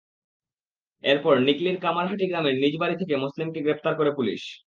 এরপর নিকলীর কামারহাটি গ্রামের নিজ বাড়ি থেকে মোসলেমকে গ্রেপ্তার করে পুলিশ।